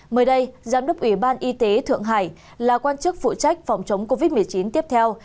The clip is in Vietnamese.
mới đây giám đốc ủy ban y tế thượng hải là quan chức phụ trách phòng chống covid một mươi chín tiếp theo